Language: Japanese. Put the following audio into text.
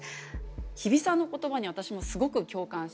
日比さんの言葉に私もすごく共感して。